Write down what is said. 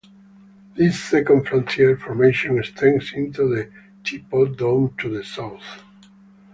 This second Frontier formation extends into the Teapot Dome to the south.